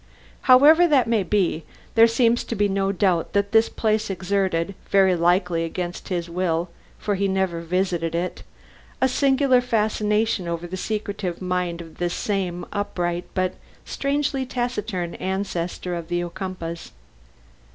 However that may be, there seems to be no doubt that this place exerted, very likely against his will, for he never visited it, a singular fascination over the secretive mind of this same upright but strangely taciturn ancestor of the Ocumpaughs.